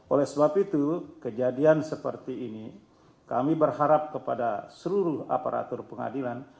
oleh sebab itu kejadian seperti ini kami berharap kepada seluruh aparatur pengadilan